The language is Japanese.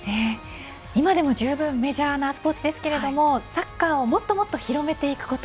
今でもじゅうぶんメジャーなスポーツですけれどもサッカーをもっともっと広めていくこと。